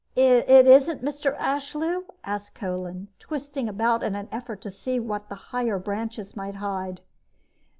"It isn't, Mr. Ashlew?" asked Kolin, twisting about in an effort to see what the higher branches might hide.